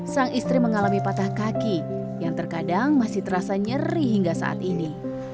sang istri mengalami patah kaki yang terkadang masih terasa nyeri hingga saat ini